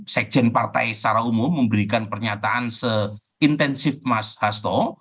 sekjen partai secara umum memberikan pernyataan seintensif mas hasto